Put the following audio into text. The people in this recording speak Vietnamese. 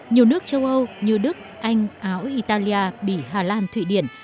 nhiều nước châu âu như đức anh áo italia bỉ hà lan thụy điển